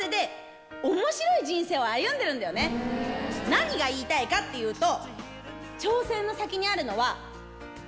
何が言いたいかっていうと。